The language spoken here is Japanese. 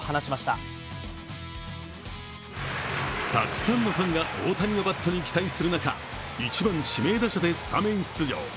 たくさんのファンが大谷のバットに期待する中、１番・指名打者でスタメン出場。